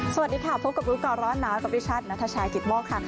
สวัสดีค่ะพบกับรู้ก่อนร้อนหนาวกับดิฉันนัทชายกิตโมกค่ะ